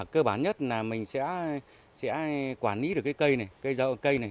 cơ bản nhất là mình sẽ quản lý được cây này cây rau cây này